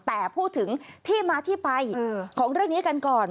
แต่พูดถึงที่มาที่ไปของเรื่องนี้กันก่อน